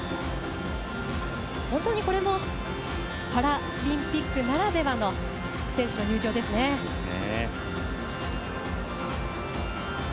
本当にこれもパラリンピックならではの選手の入場ですね。